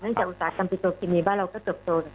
ฉะนั้นจากอุตสัยการเงินตัวกินอีนีบ้านเราก็สะดวกโตเกิด